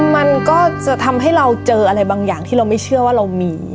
มันก็จะทำให้เราเจออะไรบางอย่างที่เราไม่เชื่อว่าเรามี